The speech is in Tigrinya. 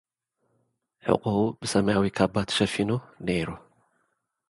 ሕቖኡ ብሰምያዊ ካባ ተሸፊኑ ነይሩ።